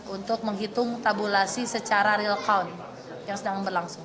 untuk menghitung tabulasi secara real count yang sedang berlangsung